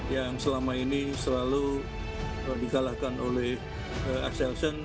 yang selama ini selalu dikalahkan oleh axelsen